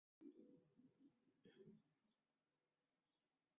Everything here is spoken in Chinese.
两人在京城遭尚膳监总管海大富擒进宫中。